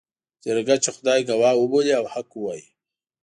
جرګه چې خدای ګواه وبولي او حق ووايي.